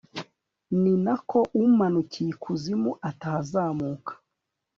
ni na ko umanukiye ikuzimu atahazamuka